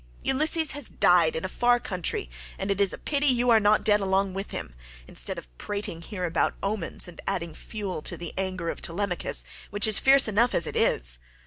Ulysses has died in a far country, and it is a pity you are not dead along with him, instead of prating here about omens and adding fuel to the anger of Telemachus which is fierce enough as it is.